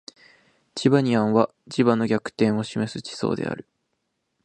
チバニアンは磁場の逆転を示す地層である